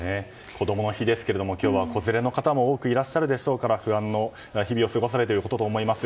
こどもの日ですから今日は、子連れの方も多くいらっしゃるでしょうから不安な日々を過ごされていることと思います。